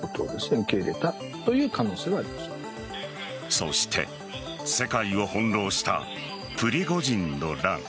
そして、世界を翻弄したプリゴジンの乱。